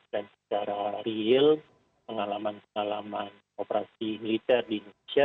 dan secara real pengalaman pengalaman operasi militer di indonesia